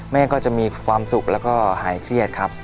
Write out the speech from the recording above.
แม่ก็จะมีความสุขแล้วก็หายเครียดครับ